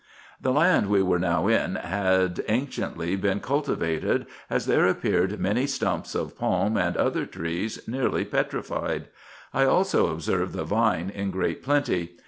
The land we were now in had anciently been cultivated, as there appeared many stumps of palm and other trees, nearly petri fied. I also observed the vine in great plenty.